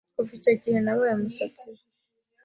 Kuva icyo gihe nabaye umusatsi we